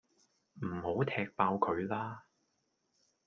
唔好踢爆佢喇